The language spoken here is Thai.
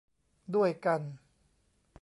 ด้วยกัน